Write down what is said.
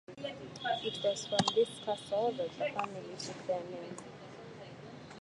It was from this castle that the family took their name.